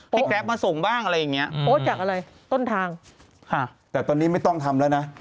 แกรปมาส่งบ้างอะไรอย่างเงี้โพสต์จากอะไรต้นทางค่ะแต่ตอนนี้ไม่ต้องทำแล้วนะ